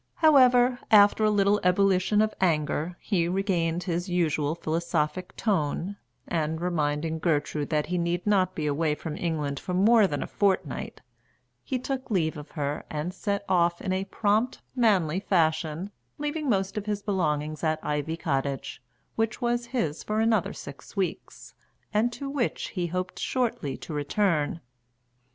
However, after a little ebullition of anger, he regained his usual philosophic tone, and, reminding Gertrude that he need not be away from England for more than a fortnight, he took leave of her and set off in a prompt, manly fashion, leaving most of his belongings at Ivy Cottage, which was his for another six weeks, and to which he hoped shortly to return.